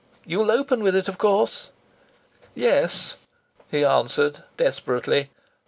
You'll open with it, of course." "Yes," he answered desperately.